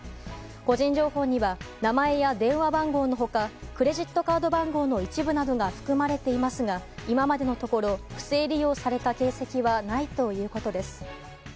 個人情報には名前や電話番号の他クレジットカード番号の一部などが含まれていますが今までのところ不正利用された形跡はないということです。